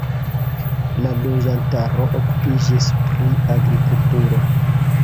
La loĝantaro okupiĝis pri agrikulturo.